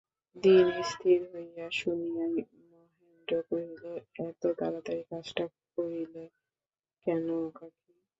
দিন স্থির হইয়াছে শুনিয়াই মহেন্দ্র কহিল, এত তাড়াতাড়ি কাজটা করিলে কেন কাকী।